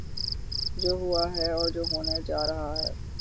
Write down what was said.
جو ہوا ہے اور جو ہونے جا رہا ہے۔